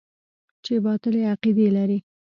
چې باطلې عقيدې لري.